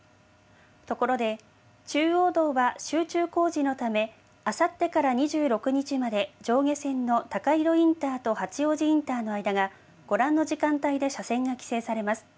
ところで、中央道は集中工事のため、あさってから２６日まで、上下線の高井戸インターと八王子インターの間がご覧の時間帯で車線が規制されます。